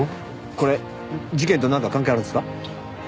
これ事件となんか関係あるんですか？